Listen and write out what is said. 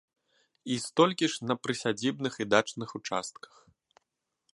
І столькі ж на прысядзібных і дачных участках.